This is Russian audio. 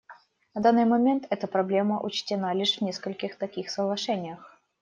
На данный момент эта проблема учтена лишь в нескольких таких соглашениях.